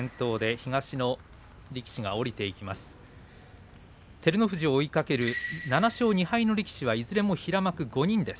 照ノ富士を追いかける７勝２敗の力士はいずれも平幕５人です。